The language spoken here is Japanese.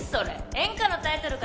演歌のタイトルかなんか？